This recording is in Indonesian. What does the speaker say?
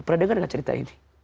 pernah dengar gak cerita ini